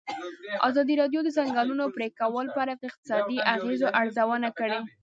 ازادي راډیو د د ځنګلونو پرېکول په اړه د اقتصادي اغېزو ارزونه کړې.